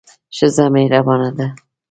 ښځه مهربانه ده.